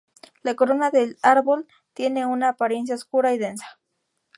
La corona del árbol tiene una apariencia oscura y densa.